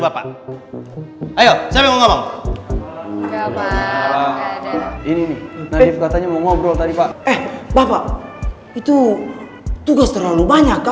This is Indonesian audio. bapak ayo sampai ngomong ngomong ini katanya mau ngobrol tadi pak eh bapak itu tugas terlalu banyak